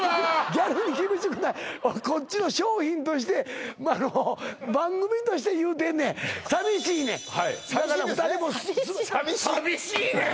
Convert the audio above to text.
ギャルに厳しくないこっちの商品として番組として言うてんねんだから２人も寂しいねん！